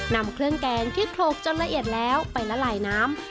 นำเครื่องแกงที่โขลกจนละเอียดแล้วไปละลายน้ำ